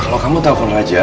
kalau kamu tau pun raja